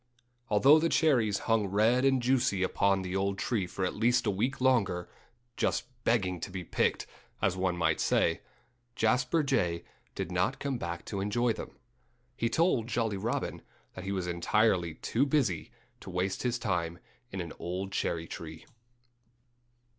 Although the cherries hung red and juicy upon the old tree for at least a week longer, just begging to be picked as one might say Jasper Jay did not come back to enjoy them. He told Jolly Robin that he was entirely too busy to waste his time in an old cherry tree.